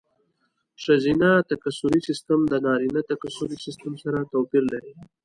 ښځینه تکثري سیستم د نارینه تکثري سیستم سره توپیر لري.